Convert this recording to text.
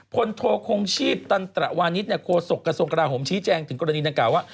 โทคงชีพตันตระวานิสโคศกกระทรวงกราโหมชี้แจงถึงกรณีดังกล่าวว่า